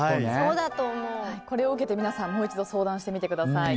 これを受けて皆さんもう一度、相談してください。